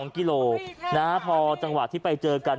๒กิโลพอจังหวะที่ไปเจอกัน